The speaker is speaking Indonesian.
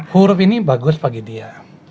huruf ini bagus bagi dia